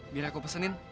biar aku pesenin